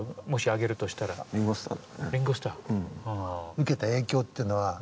受けた影響っていうのはどんな。